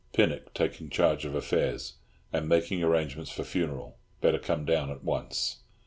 Pinnock taking charge of affairs; am making arrangements funeral. Better come down at once."